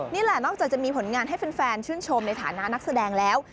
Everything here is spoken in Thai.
นี่แหละนอกจากจะมีผลงานให้แฟนชื่นชมในฐานะนักแสดงแล้ว